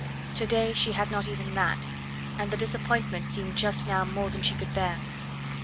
To day she had not even that, and the disappointment seemed just now more than she could bear.